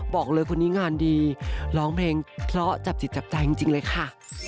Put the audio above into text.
บอกเลยคนนี้งานดีร้องเพลงเพราะจับจิตจับใจจริงเลยค่ะ